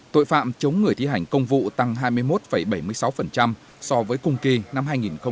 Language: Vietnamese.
tội phạm chống người thi hành công vụ tăng hai mươi một bảy mươi sáu so với cùng kỳ năm hai nghìn một mươi chín